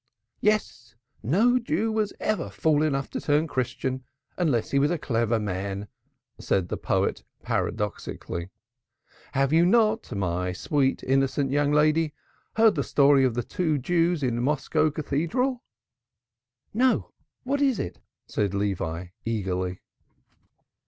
"Yes, no Jew was ever fool enough to turn Christian unless he was a clever man," said the poet paradoxically. "Have you not, my sweet, innocent young lady, heard the story of the two Jews in Burgos Cathedral?" "No, what is it?" said Levi, eagerly.